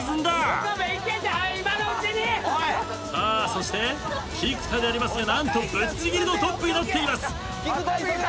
そして菊田でありますがぶっちぎりのトップになっています。